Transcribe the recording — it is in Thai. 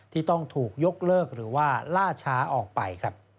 ที่ต้องถูกยกเลิกหรือว่าล่าช้าออกไป